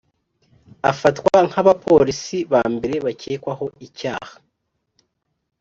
afatwa nkabapolisi ba mbere bakekwaho icyaha.